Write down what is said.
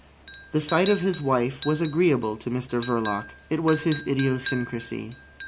The sight of his wife was agreeable to Mr Verloc. It was his idiosyncrasy.